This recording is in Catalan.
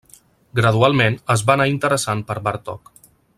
Gradualment, es va anar interessant per Bartók.